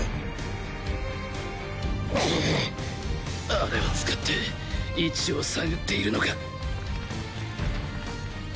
あれを使って位置を探っているのか